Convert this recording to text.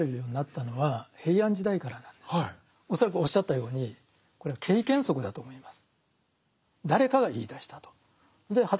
恐らくおっしゃったようにこれは経験則だと思います。